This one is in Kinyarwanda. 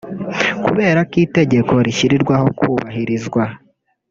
Kubera ko Itegeko rishyirirwaho kubahirizwa